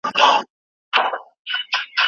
اجتماعي پدیده د ټولنې یو مهم اړخ دی.